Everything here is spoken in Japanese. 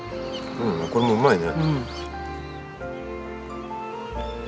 これもうまいね。